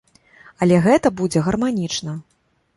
Але гэта будзе гарманічна.